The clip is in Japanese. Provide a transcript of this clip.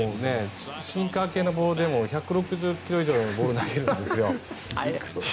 シンカー系のボールでも１６０ｋｍ以上のボールを投げるんですよ。